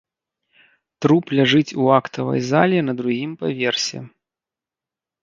Труп ляжыць у актавай зале на другім паверсе.